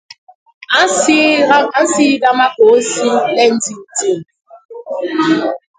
A nsinda makôô si le ndiñ ndiñ!